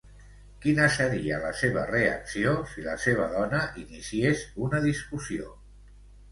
Quina seria la seva reacció si la seva dona iniciés una discussió?